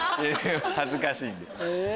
恥ずかしいんで。